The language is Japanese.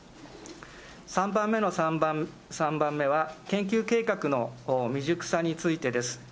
３番目の３番目は研究計画の未熟さについてです。